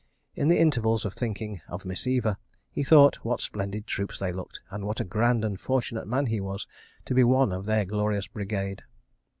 In the intervals of thinking of Miss Eva, he thought what splendid troops they looked, and what a grand and fortunate man he was to be one of their glorious Brigade.